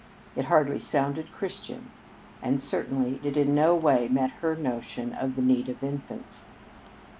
It hardly sounded Christian, and certainly it in no way met her notion of the need of infants.